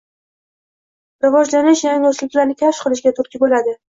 rivojlanish, yangi uslublarni kashf qilishga turtki bo‘ladi;